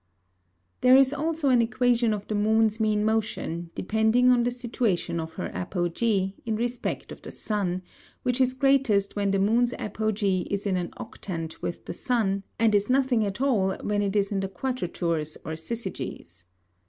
There is also an Equation of the Moon's mean Motion, depending on the situation of her Apogee, in respect of the Sun; which is greatest when the Moon's Apogee is in an Octant with the Sun, and is nothing at all when it is in the Quadratures or Syzygys.